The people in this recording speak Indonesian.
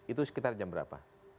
itu sekitar jam berapa